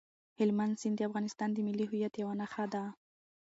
هلمند سیند د افغانستان د ملي هویت یوه نښه ده.